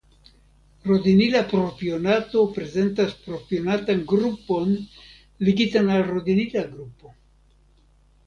Rodinila propionato prezentas propionatan grupon ligitan al rodinila grupo.